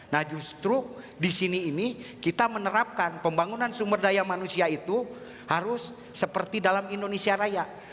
nah justru di sini ini kita menerapkan pembangunan sumber daya manusia itu harus seperti dalam indonesia raya